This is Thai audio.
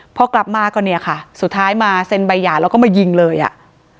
พอกลับมาก็เนี่ยค่ะสุดท้ายมาเซ็นใบหย่าแล้วก็มายิงเลยอ่ะ